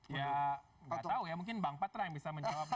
ya nggak tahu ya mungkin bang patra yang bisa menjawabnya